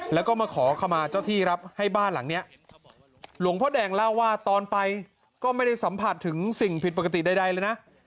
แล้วก็มาขอขมาเจ้าที่ครับให้บ้านหลังนี้หลวงพ่อแดงเล่าว่าตอนไปก็ไม่ได้สัมผัสถึงสิ่งผิดปกติใดเลยนะ